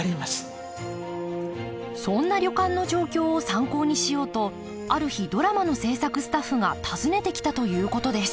そんな旅館の状況を参考にしようとある日ドラマの制作スタッフが訪ねてきたということです